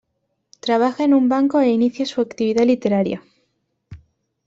Trabaja en un banco e inicia su actividad literaria.